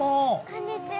こんにちは。